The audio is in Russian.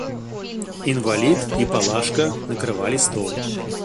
Инвалид и Палашка накрывали стол.